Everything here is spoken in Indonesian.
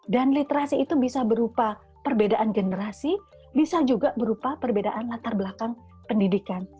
dan literasi itu bisa berupa perbedaan generasi bisa juga berupa perbedaan latar belakang pendidikan